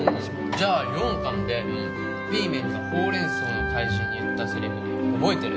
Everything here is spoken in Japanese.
じゃあ４巻でピーメンがほうれん草の怪人に言ったセリフ覚えてる？